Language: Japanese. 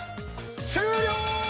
終了！